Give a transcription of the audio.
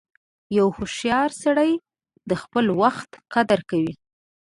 • یو هوښیار سړی د خپل وخت قدر کوي.